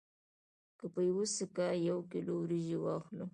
که په یوه سکه یو کیلو وریجې واخلو